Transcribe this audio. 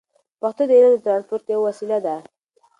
پښتو د علم د ترانسپورت یوه وسیله ده.